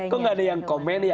kok gak ada yang komen ya